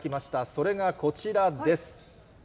それがこちらです。